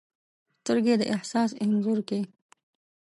سترګې د احساس انځور کښي